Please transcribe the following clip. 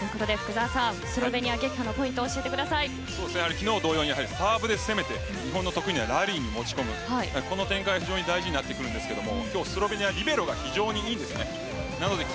スロベニア撃破のポイントを昨日同様にサーブで攻めて日本の得意なラリーに持ち込むこの展開、非常に大事になってくるんですけど今日スロベニアリベロが非常にいいんです。